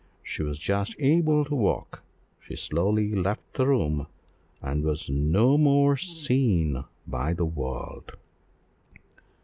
She was just able to walk: she slowly left the room and was no more seen by the world!